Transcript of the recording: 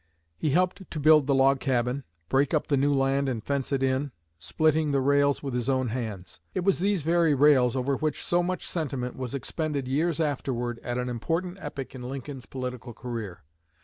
He helped to build the log cabin, break up the new land and fence it in, splitting the rails with his own hands. It was these very rails over which so much sentiment was expended years afterward at an important epoch in Lincoln's political career.